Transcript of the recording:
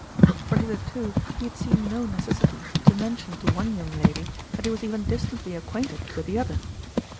For hitherto he had seen no necessity to mention to one young lady that he was even distantly acquainted with the other.